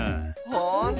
ほんと？